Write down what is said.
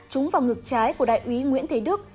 trúng vào ngực trái của đại úy nguyễn thế đức